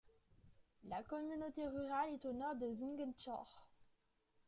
La communauté rurale est au nord de Ziguinchor.